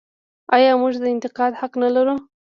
آیا موږ د انتقاد حق نلرو؟